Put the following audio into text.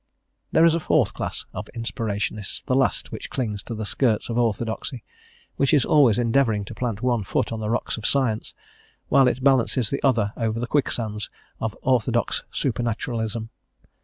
There is a fourth class of inspirationists, the last which clings to the skirts of orthodoxy, which is always endeavouring to plant one foot on the rocks of science, while it balances the other over the quicksands of orthodox super naturalism.